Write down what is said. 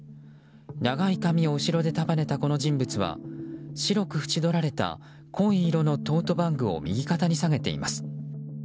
長い髪を後ろで束ねたこの人物は白く縁どられた濃い色のトートバッグを右肩に下げています。